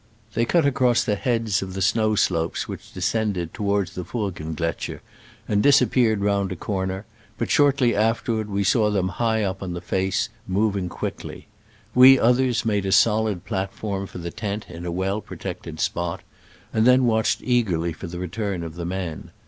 They cut across the heads of the snow slopes which descended toward the Furggengletscher, and disappeared round a corner, but shortly afterward we saw them high up on the face, moving quickly. We others made a solid plat form for the tent in a well protected spot, and then watched eagerly for the return of the men.